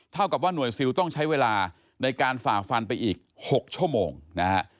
เท่ากับว่าหน่วยซิลต้องใช้เวลาในการฝ่าฟันไปอีก๖ชั่วโมงนะฮะ